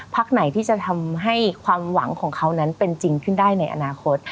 ไหนที่จะทำให้ความหวังของเขานั้นเป็นจริงขึ้นได้ในอนาคต